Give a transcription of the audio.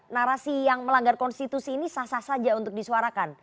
narasi yang melanggar konstitusi ini sah sah saja untuk disuarakan